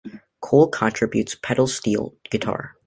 Cole contributes pedal steel guitar.